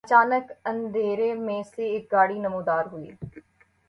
اچانک اندھیرے میں سے ایک گاڑی نمودار ہوئی